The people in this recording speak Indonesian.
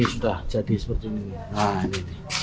sudah jadi seperti ini